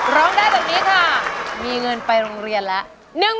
ร้องได้แบบนี้ค่ะมีเงินไปโรงเรียนแล้ว